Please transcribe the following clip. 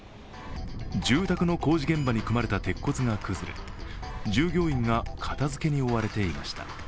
住宅の工事現場に組まれた鉄骨が崩れ従業員が片づけに追われていました。